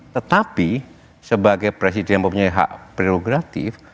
tetapi sebagai presiden yang mempunyai hak prerogatif